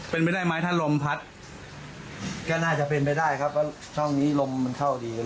เป็นไปได้ไหมถ้าลมพัดก็น่าจะเป็นไปได้ครับเพราะช่องนี้ลมมันเข้าดี